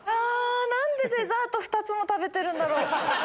何でデザート２つも食べてるんだろう？